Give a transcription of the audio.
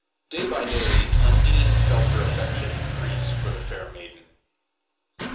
Day by day, Undine felt her affection increase for the fair maiden.